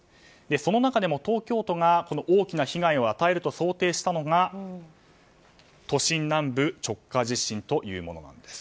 その中でも東京都が大きな被害を与えると想定したのが都心南部直下地震というものなんです。